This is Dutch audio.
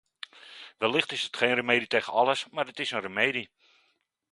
Wellicht is het geen remedie tegen alles, maar het is een remedie.